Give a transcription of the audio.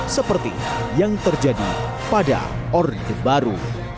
seperti yang terjadi pada orde baru